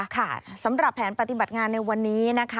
ค่ะสำหรับแผนปฏิบัติงานในวันนี้นะคะ